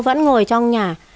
vẫn ngồi trong nhà